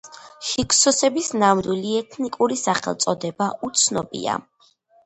ჰიქსოსების ნამდვილი ეთნიკური სახელწოდება უცნობია.